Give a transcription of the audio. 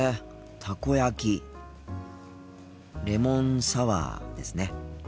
たこ焼きレモンサワーですね。